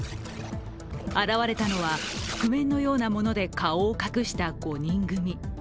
現れたのは覆面のようなもので顔を隠した５人組。